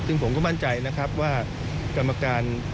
ซึ่งผมก็มั่นใจว่ากรรมการ